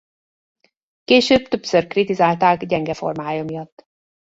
Később többször kritizálták gyenge formája miatt.